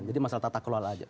jadi masalah tata kelola aja